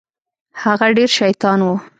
هغه ډېر شيطان و.